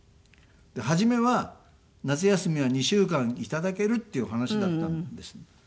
初めは夏休みは２週間いただけるっていう話だったんです。